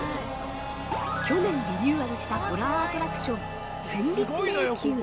◆去年リニューアルしたホラーアトラクション「戦慄迷宮」。